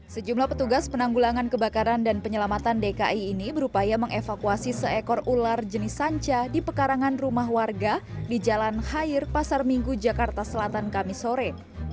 sejumlah petugas penanggulangan kebakaran dan penyelamatan dki ini berupaya mengevakuasi seekor ular jenis sanca di pekarangan rumah warga di jalan hair pasar minggu jakarta selatan kamisore